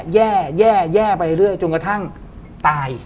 แย่แย่ไปเรื่อยจนกระทั่งตาย